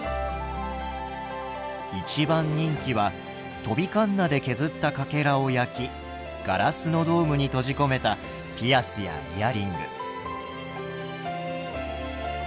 一番人気は飛びかんなで削ったかけらを焼きガラスのドームに閉じ込めたピアスやイヤリング。